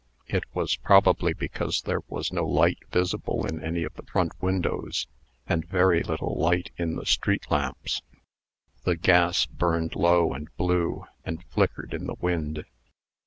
It was probably because there was no light visible in any of the front windows, and very little light in the street lamps. The gas burned low and blue, and flickered in the wind.